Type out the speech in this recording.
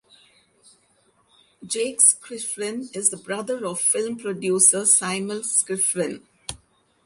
Jacques Schiffrin is the brother of film producer Simon Schiffrin.